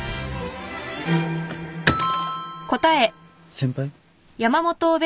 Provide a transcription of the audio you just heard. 先輩？